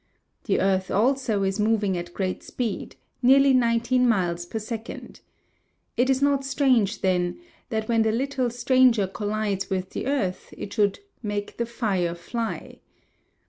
The earth also is moving at great speed nearly nineteen miles per second. It is not strange then that when the little stranger collides with the earth it should "make the fire fly."